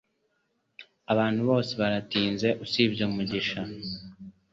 Abantu bose baratinze, usibye Mugisha